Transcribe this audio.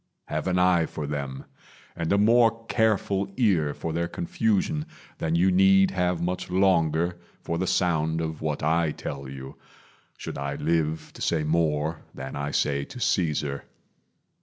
Have an eye for them, And a more careful ear for their confusion Than you need have much longer for the sound Of what I tell you should I live to say More than I say to Caesar.